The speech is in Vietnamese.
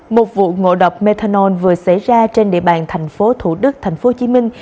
một vụ ngộ độc methanol vừa xảy ra trên địa bàn thành phố thủ đức thành phố hồ chí minh